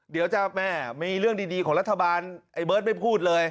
เดี๋ยวจะแม่มีเรื่องดีของรัฐบาลไอ้เบิร์ตไม่พูดเลย